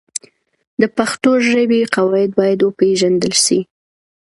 د پښتو ژبې قواعد باید وپېژندل سي.